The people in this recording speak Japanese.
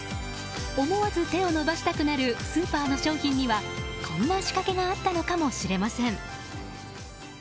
思わず手を伸ばしたくなるスーパーの商品にはこんな仕掛けがあったのかもしれません。